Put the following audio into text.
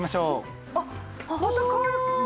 あっまた変わる。